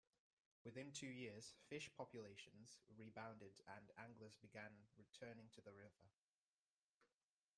Within two years, fish populations rebounded and anglers began returning to the river.